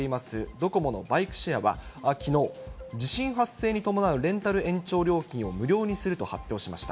ドコモのバイクシェアはきのう、地震発生に伴うレンタル延長料金を無料にすると発表しました。